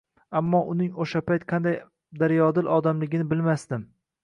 Ammo uning o’sha payt qanday daryodil odamligini bilmasdim.